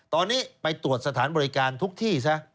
ตอนนี้ไปตรวจสถานบริการทุกที่ซะ